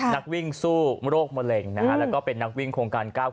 นักวิ่งสู้โรคมะเร็งแล้วก็เป็นนักวิ่งโครงการ๙๙